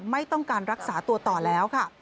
ไม่ต้องการรักษาตัวต่อแล้วค่ะ